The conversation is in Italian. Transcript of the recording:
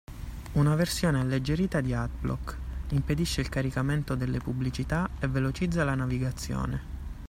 Una versione alleggerita di AdBlock, impedisce il caricamento delle pubblicità e velocizza la navigazione.